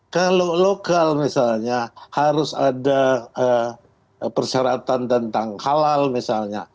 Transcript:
kalau lokal misalnya harus ada persyaratan tentang halal misalnya